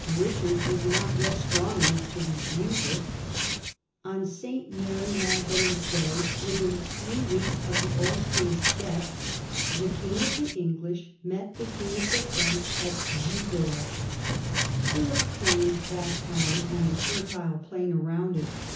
Eichard was not yet strong enough to refuse it. On S. Mary Magdalen's Day, within three weeks of the old king's death, the king of the English met the king of the Franks at Gisors. Philip claimed that town and the fertile plain around it.